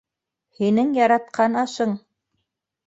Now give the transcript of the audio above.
Һинең яратҡан ашың.